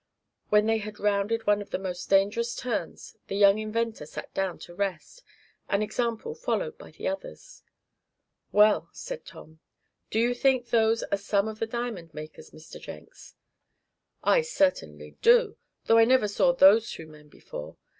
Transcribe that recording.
When they had rounded one of the most dangerous turns the young inventor sat down to rest, an example followed by the others. "Well," asked Tom, "do you think those are some of the diamond makers, Mr. Jenks?" "I certainly do, though I never saw those two men before.